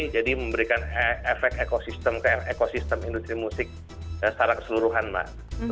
jadi memberikan efek ekosistem ekosistem industri musik secara keseluruhan mbak